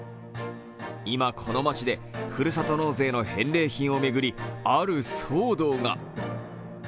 今、この町でふるさと納税の返礼品を巡り、ある騒動が。